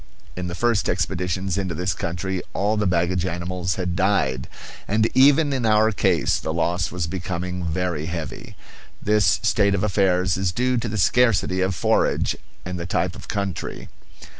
In the first expeditions into this country all the baggage animals had died; and even in our case the loss was becoming very heavy. This state of affairs is due to the scarcity of forage and the type of country.